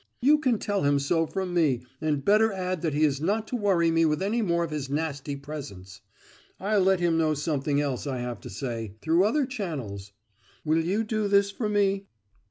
You can tell him so from me, and better add that he is not to worry me with any more of his nasty presents. I'll let him know something else I have to say through other channels. Will you do this for me?"